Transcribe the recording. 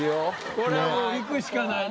これはもう行くしかないな。